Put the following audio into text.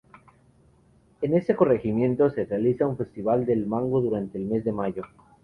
En este corregimiento se realiza un festival del mango durante el mes de mayo.